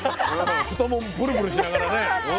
太ももブルブルしながらね。